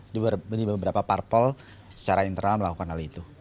di beberapa parpol secara internal melakukan hal itu